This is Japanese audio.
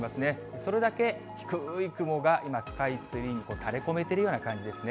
それだけ低い雲が今、スカイツリーに垂れこめているような感じですね。